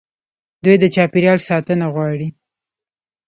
دوی د چاپیریال ساتنه غواړي.